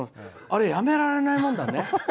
あれ、やめられないもんだね。